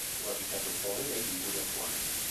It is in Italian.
Fu abitato poi dai Liguri Apuani.